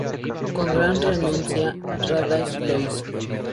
Con gran renuencia, Randall lo hizo.